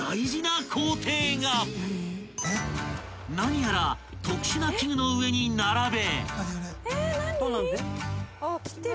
［何やら特殊な器具の上に並べ］